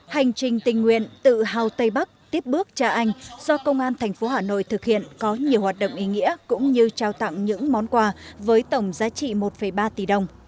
hành trình tình nguyện tự hào tây bắc tiếp bước trả anh do công an thành phố hà nội thực hiện có nhiều hoạt động ý nghĩa cũng như trao tặng những món quà với tổng giá trị một ba tỷ đồng